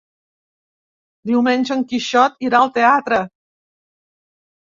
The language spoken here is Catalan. Diumenge en Quixot irà al teatre.